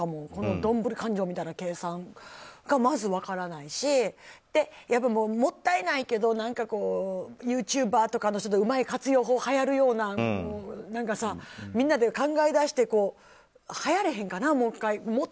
どんぶり勘定みたいな計算がまず分からないしもったいないけどユーチューバーとかの人でうまい活用法はやるような何か、みんなで考えだしてはやれへんかな？